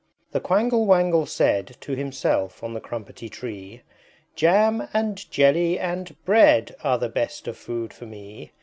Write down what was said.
II. The Quangle Wangle said To himself on the Crumpetty Tree, "Jam, and jelly, and bread Are the best of food for me!